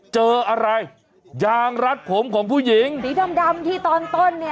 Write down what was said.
เจออะไรยางรัดผมของผู้หญิงสีดำที่ตอนต้นเนี่ย